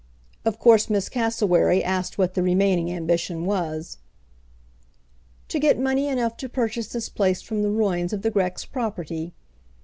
Of course Miss Cassewary asked what the remaining ambition was. "To get money enough to purchase this place from the ruins of the Grex property.